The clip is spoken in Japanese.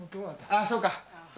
ああそうか。